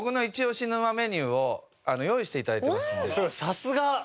さすが！